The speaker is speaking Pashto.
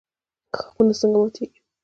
ښاخونه څنګه ماتیږي؟